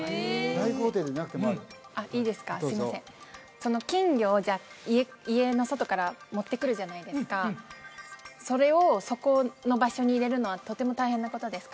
その金魚をじゃあ家の外から持ってくるじゃないですかそれをそこの場所に入れるのはとても大変なことですか？